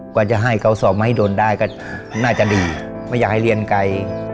กว่าจะให้เขาสอบมาให้โดนได้ก็น่าจะดีไม่อยากให้เรียนไกล